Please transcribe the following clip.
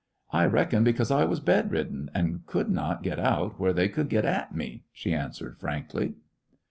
"I reckon because I was bedridden and could not get out where they could get at me," she answered frankly.